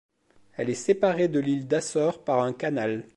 Elle est séparée de l'île d'Asor par un canal.